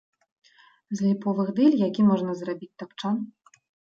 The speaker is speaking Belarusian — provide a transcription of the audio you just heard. З ліповых дыль які можна зрабіць тапчан.